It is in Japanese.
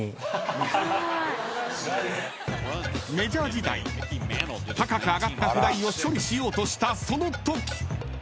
［メジャー時代高く上がったフライを処理しようとしたそのとき］